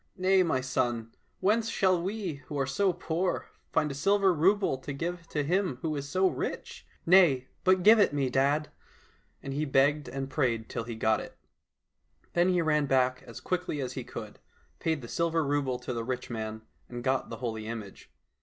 —" Nay, my son, whence shall we who are poor find a silver rouble to give to him who is so rich ?"—'' Nay, but give it me, dad !" and he begged and prayed till he got it. Then he ran back as quickly as he could, paid the silver rouble to the rich man, and got the holy image.